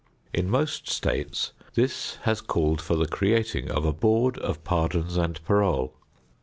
In most states this has called for the creating of a board of pardons and parole.